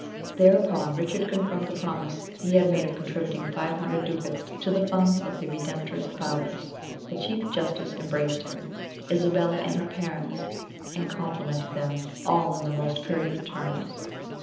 Thereupon Richard confirmed the promise he had made of contributing five hundred ducats to the funds of the Redemptorist fathers. The chief justice embraced him, Isabella, and her parents, and complimented them all in the most courteous terms.